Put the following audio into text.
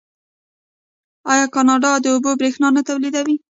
آیا کاناډا د اوبو بریښنا نه تولیدوي؟